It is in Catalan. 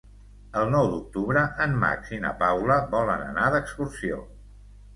El nou d'octubre en Max i na Paula volen anar d'excursió.